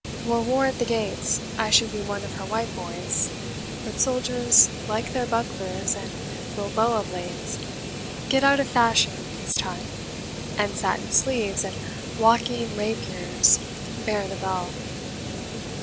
Were war at the gates, I should be one of her white boys; but soldiers, like their bucklers and Bilboa blades, get out of fashion in peace time, and satin sleeves and walking rapiers bear the bell.